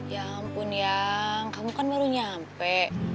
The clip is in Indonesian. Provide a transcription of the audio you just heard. ya ampun yang kamu kan baru nyampe